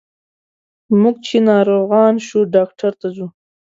موږ چې ناروغان شو ډاکټر ته ځو.